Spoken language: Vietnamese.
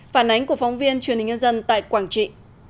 phản ánh của phóng viên truyền hình nhân dân tại quảng trị